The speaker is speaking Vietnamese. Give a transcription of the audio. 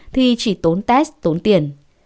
thì chỉ tốn test tốn tiền